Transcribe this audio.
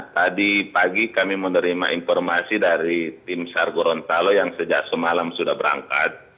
tadi pagi kami menerima informasi dari tim sar gorontalo yang sejak semalam sudah berangkat